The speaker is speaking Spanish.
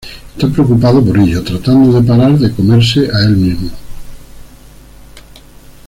Está preocupado por ello, tratando de parar de "comerse" a el mismo.